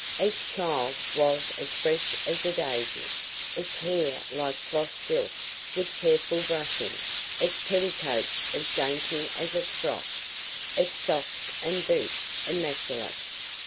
Each child was as fresh as a daisy, its hair like floss silk with careful brushing, its petticoats as dainty as its frock, its socks and boots immaculate.